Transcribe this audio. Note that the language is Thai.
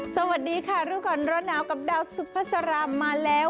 สวัสดีค่ะรู้ก่อนร้อนหนาวกับดาวสุภาษารามาแล้ว